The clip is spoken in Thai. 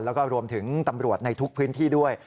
แล้วก็รวมถึงตำรวจในทุกพื้นที่ด้วย